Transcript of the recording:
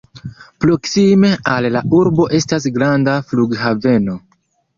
Proksime al la urbo estas granda flughaveno.